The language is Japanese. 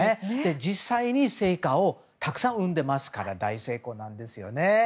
実際に成果をたくさん生んでますから大成功なんですよね。